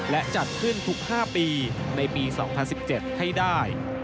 และจัดขึ้นทุก๕ปีในปี๒๐๑๗ให้ได้